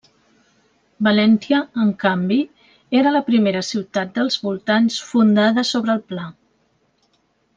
Valentia, en canvi, era la primera ciutat dels voltants fundada sobre el pla.